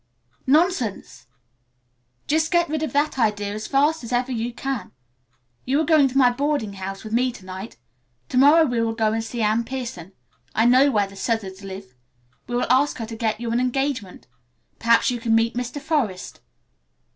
"Nonsense! Just get rid of that idea as fast as ever you can. You are going to my boarding house with me to night. To morrow we will go and see Anne Pierson. I know where the Southards live. We will ask her to get you an engagement. Perhaps you can meet Mr. Forest."